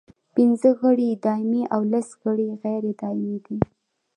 پنځه غړي یې دایمي او لس غیر دایمي دي.